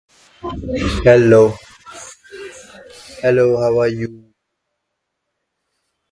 Also he received the title of Astronomer from the Academy.